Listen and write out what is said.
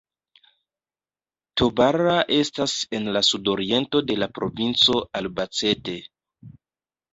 Tobarra estas en la sudoriento de la provinco Albacete.